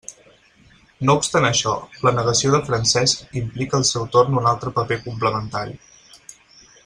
No obstant això, la negació de Francesc implica al seu torn un altre paper complementari.